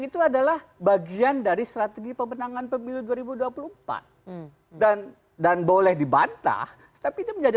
itu adalah bagian dari strategi pemenangan pemilu dua ribu dua puluh empat dan dan boleh dibantah tapi dia menjadi